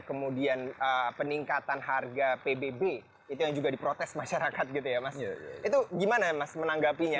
kemudian peningkatan harga pbb itu yang juga diprotes masyarakat gitu ya mas itu gimana mas menanggapinya